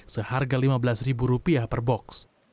seharga lima belas per box